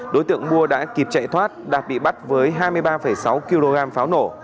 đối tượng mua đã kịp chạy thoát đạt bị bắt với hai mươi ba sáu kg pháo nổ